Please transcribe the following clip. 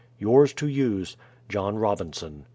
Yours to use, JOHN ROBINSON.